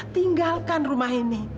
tinggalkan rumah ini